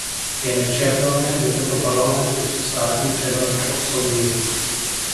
Je nepřijatelné, že tento Parlament dosud státní převrat neodsoudil.